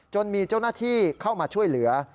จนมีเจ้าหน้าที่เข้ามาช่วยเหลือ